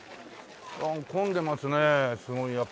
混んでますねすごいやっぱりね。